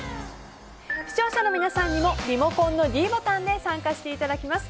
視聴者の皆さんにもリモコンのｄボタンで参加していただきます。